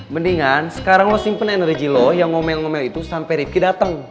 mendingan sekarang lo simpen energi lo yang ngomel ngomel itu sampai rifki datang